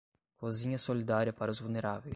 Cozinha solidária para os vulneráveis